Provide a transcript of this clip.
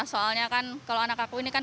soalnya kan kalau anak aku ini kan